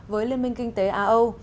với liên minh kinh tế a âu